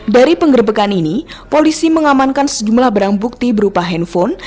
dari penggerbekan ini polisi mengamankan sejumlah barang bukti berupa handphone